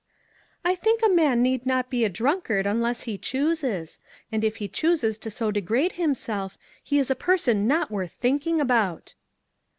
" I think a man need not be a drunkard unless he chooses ; and if he chooses to so degrade himself, he is a person not worth thinking about."